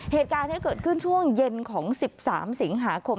เหตุการณ์นี้เกิดขึ้นช่วงเย็นของ๑๓สิงหาคม